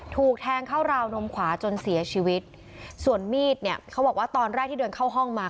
ถูกแทงเข้าราวนมขวาจนเสียชีวิตส่วนมีดเนี่ยเขาบอกว่าตอนแรกที่เดินเข้าห้องมา